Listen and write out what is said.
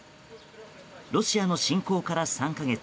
ロシアの侵攻から３か月。